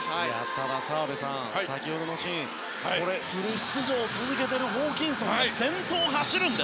ただ、澤部さん先ほどのシーンフル出場を続けているホーキンソンが先頭を走るんです！